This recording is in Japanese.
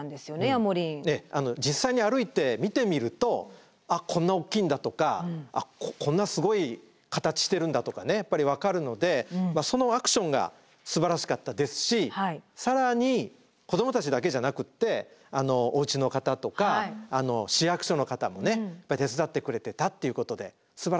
実際に歩いて見てみると「あっこんなおっきいんだ」とか「あっこんなすごい形してるんだ」とかやっぱり分かるのでそのアクションがすばらしかったですし更に子どもたちだけじゃなくっておうちの方とか市役所の方も手伝ってくれてたっていうことですばらしいチャレンジだったですね。